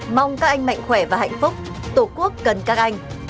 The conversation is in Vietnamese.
mong các anh mạnh khỏe và hạnh phúc tổ quốc cần các anh